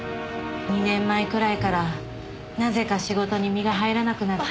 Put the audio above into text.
２年前くらいからなぜか仕事に身が入らなくなって。